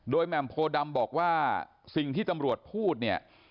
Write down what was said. แหม่มโพดำบอกว่าสิ่งที่ตำรวจพูดเนี่ย